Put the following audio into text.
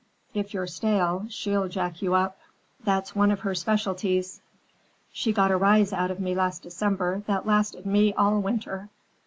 If you're stale, she'll jack you up. That's one of her specialties. She got a rise out of me last December that lasted me all winter."